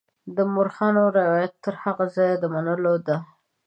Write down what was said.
د مورخانو روایتونه تر هغه ځایه د منلو دي.